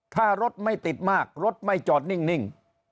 ถ้ารถไม่ติดมากรถไม่จอดนิ่ง